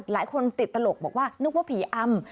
หลายคนติดตลกบอกว่านึกว่าผีอำ